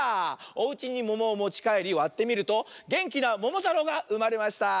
おうちにももをもちかえりわってみるとげんきなももたろうがうまれました。